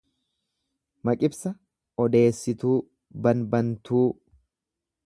Maqibsa odeessituu, banbantuu.